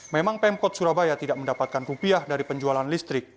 memang pemkot surabaya tidak mendapatkan rupiah dari penjualan listrik